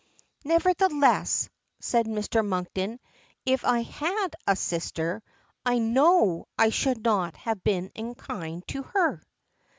"Nevertheless," said Mr. Monkton, "if I had had a sister, I know I should not have been unkind to her."